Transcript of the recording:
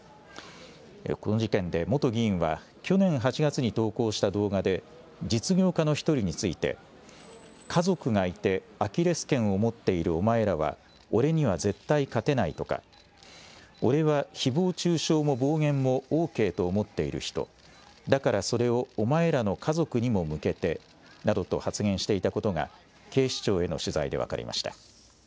この事件で元議員は、去年８月に投稿した動画で、実業家の１人について、家族がいて、アキレスけんを持っているお前らは俺には絶対勝てないとか、おれはひぼう中傷も暴言もＯＫと思っている人、だからそれをお前らの家族にも向けてなどと発言していたことが、警視庁への取材で分かりました。